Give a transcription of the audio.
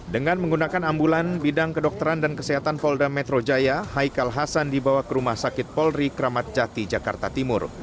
dengan menggunakan ambulan bidang kedokteran dan kesehatan polda metro jaya haikal hasan dibawa ke rumah sakit polri kramat jati jakarta timur